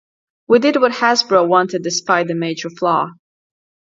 We did what Hasbro wanted despite the major flaw.